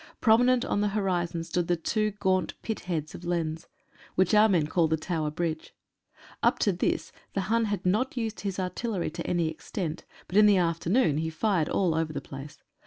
Prominent on the horizon stood the two gaunt pit heads of Lens, which our men call the ''Tower Bridge." Up to this the Hun had not used his artillery to any extent, but in the afternoon he fired all over the place.